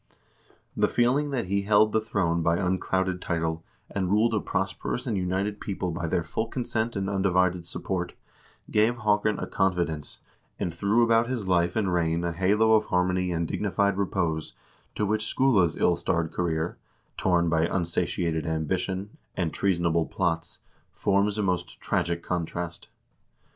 The feeling that he held the throne by unclouded title, and ruled a prosperous and united people by their full consent and undivided support, gave Haakon a confidence, and threw about his life and reign a halo of harmony and dignified repose to which Skule's ill starred career, torn by unsatiated ambition and treasonable plots, forms a most tragic contrast.